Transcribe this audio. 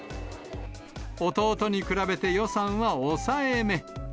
弟に比べて予算は抑えめ。